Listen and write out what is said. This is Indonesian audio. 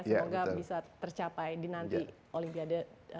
semoga bisa tercapai di nanti olimpiade dua ribu empat puluh empat